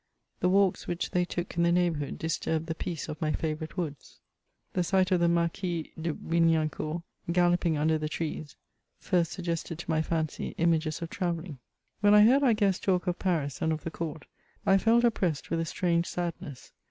The walks which they took in the neighbourhood disturbed the peace of my favourite woods. The sight of the Marquis d'Wignacourt ^dloping under the trees, first suggested to my fancy images of travelling. When I heard our guests talk of Paris and of the Court, I felt oppressed with a strange sadness.